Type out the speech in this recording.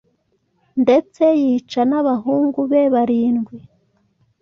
ndetse yica nabahungu be barindwi